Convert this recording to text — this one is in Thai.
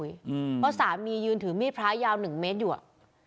เพราะสามียืนถือมีดพระยาว๑เมตรอยู่อ่ะ